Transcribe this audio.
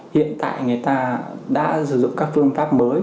hiện tại người ta đã sử dụng các phương pháp mới